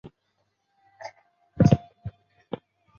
终结辩论的施行在不同的议会各有规定。